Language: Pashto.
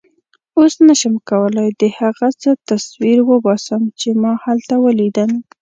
اوس نه شم کولای د هغه څه تصویر وباسم چې ما هلته ولیدل.